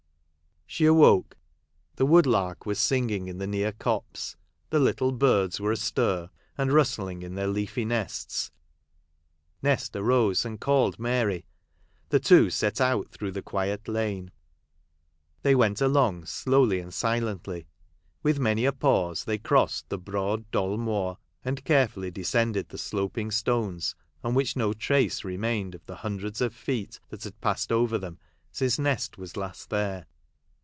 She awoke ; the woodlark was singing in the near copse — the little birds were astir, and rustling in their leafy nests. Nest arose, and called Mary. The two set out through the quiet lane. They went along slowly and silently. With many a pause they crossed the broad Dol Mawr ; and carefully descended the sloping stones, on which no trace remained of the hundreds of feet that had passed over them since Nest was last there.